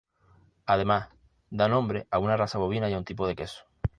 Además da nombre a una raza bovina y a un tipo de queso